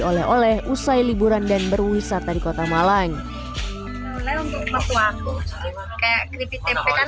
oleh oleh usai liburan dan berwisata di kota malang untuk waktu waktu kayak kripit kripit